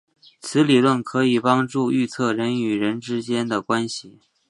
此理论可以帮助预测人与人之间的关系。